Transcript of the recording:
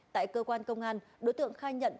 tại cơ quan công an đối tượng khai nhận